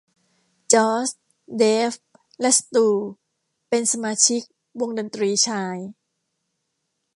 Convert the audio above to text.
จอส เดฟ และสตูเป็นสมาชิกวงดนตรีชาย